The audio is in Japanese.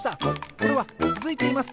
これはつづいています！